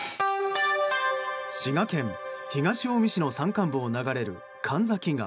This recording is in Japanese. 滋賀県東近江市の山間部を流れる神崎川。